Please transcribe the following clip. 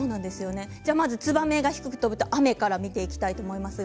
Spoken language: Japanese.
まずツバメが低く飛ぶと雨から見ていきたいと思います。